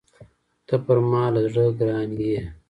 ته پر ما له زړه ګران يې!